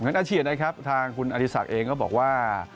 เงินอาชีพนะครับทางคุณอธิษฐกิจเองก็บอกว่า